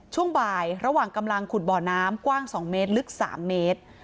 ช่วงบ่ายระหว่างกำลังขุดบ่อน้ำกว้าง๒เมตรลึก๓เมตร